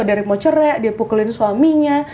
dari mau cerek dia pukulin suaminya